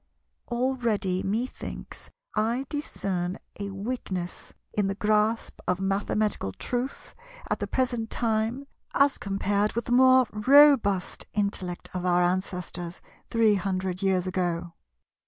Already methinks I discern a weakness in the grasp of mathematical truth at the present time as compared with the more robust intellect of our ancestors three hundred years ago.